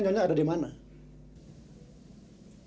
tidak usah mbak biar saya menungguinya